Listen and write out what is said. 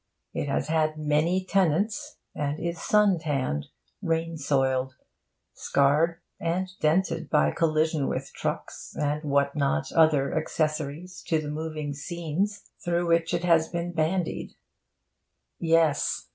It has had many tenants, and is sun tanned, rain soiled, scarred and dented by collision with trucks and what not other accessories to the moving scenes through which it has been bandied. Yes!